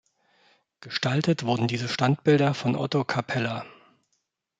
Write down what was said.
Gestaltet wurden diese Standbilder von Otto Kappeler.